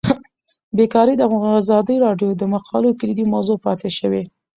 بیکاري د ازادي راډیو د مقالو کلیدي موضوع پاتې شوی.